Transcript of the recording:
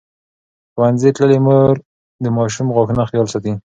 ښوونځې تللې مور د ماشوم د غاښونو خیال ساتي.